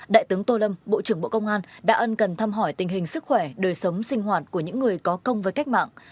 đại tướng tô lâm bộ trưởng bộ công an đã ân cần thăm hỏi tình hình sức khỏe đời sống sinh hoạt của những người có công với cách mạng